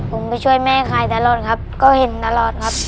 ผมไปช่วยแม่ขายตลอดครับก็เห็นตลอดครับ